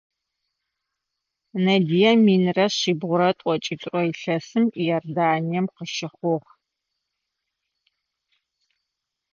Надия минрэ шъибгъурэ тӏокӏитӏурэ илъэсым Иорданием къыщыхъугъ.